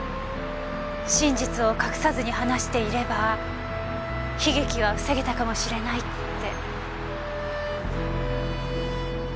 真実を隠さずに話していれば悲劇は防げたかもしれないって。